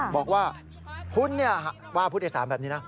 บอกว่าคุณนี่ว่าพูดในสารแบบนี้นะ